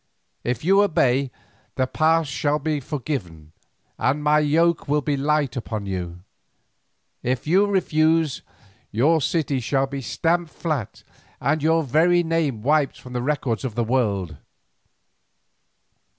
If you obey, the past shall be forgiven and my yoke will be light upon you; if you refuse, your city shall be stamped flat and your very name wiped out of the records of the world.